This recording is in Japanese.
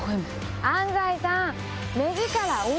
安斉さん！